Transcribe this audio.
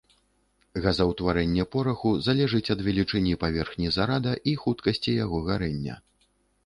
Газаўтварэнне пораху залежыць ад велічыні паверхні зарада і хуткасці яго гарэння.